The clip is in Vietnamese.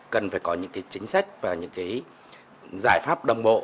cần phải có những cái chính sách và những cái giải pháp đồng bộ